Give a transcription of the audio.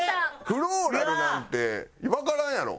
「フローラル」なんてわからんやろ？